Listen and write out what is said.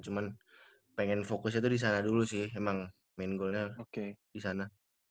cuman pengen fokusnya itu di sana dulu sih emang main goalnya di sana